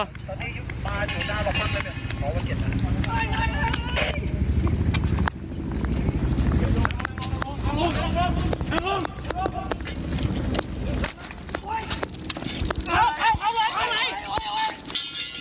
ตอนนี้ปลาอยู่ด้านหลังพังข้างนั้น